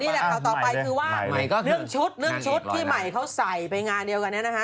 นี่คำถามต่อไปคือว่าเรื่องชุดที่ใหม่เขาใส่ไปงานเดียวกันนะฮะ